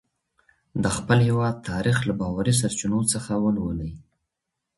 د خپل هېواد تاریخ له باوري سرچینو څخه ولولئ.